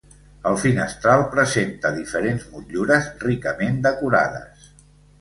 El finestral presenta diferents motllures ricament decorades.